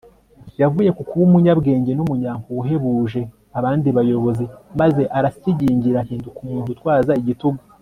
yavuye ku kuba umunyabwenge n'umunyampuhwe uhebuje abandi bayobozi maze arasyigingira ahinduka umuntu utwaza igitugu